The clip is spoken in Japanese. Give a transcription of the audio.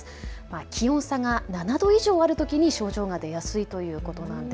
気温差が７度以上あるときに症状が出やすいということなんです。